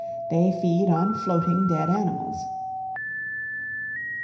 They feed on floating dead animals.